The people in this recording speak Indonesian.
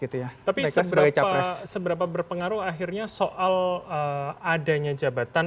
tapi seberapa berpengaruh akhirnya soal adanya jabatan